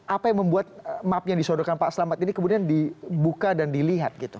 apa yang membuat map yang disodorkan pak selamat ini kemudian dibuka dan dilihat gitu